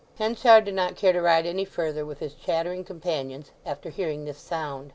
Henchard did not care to ride any further with his chattering companions after hearing this sound.